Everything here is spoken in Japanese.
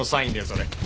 それ。